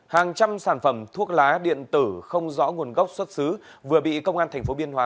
hàng trăm sản phẩm thuốc lá điện tử không rõ nguồn gốc xuất xứ vừa bị công an tp biên hòa